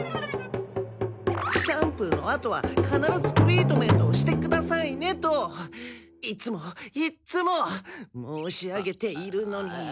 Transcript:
「シャンプーのあとはかならずトリートメントをしてくださいね」といつもいっつも申し上げているのに。